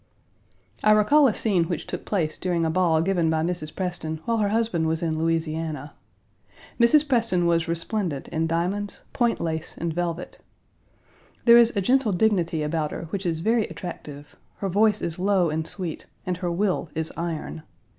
I recall a scene which took place during a ball given by Mrs. Preston while her husband was in Louisiana. Mrs. Preston was resplendent in diamonds, point lace, and velvet. Page 168 There is a gentle dignity about her which is very attractive; her voice is low and sweet, and her will is iron.